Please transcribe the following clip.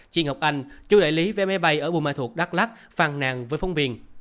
chị ngọc anh chú đại lý vé máy bay ở bùa mai thuộc đắk lắc phàn nàn với phong biên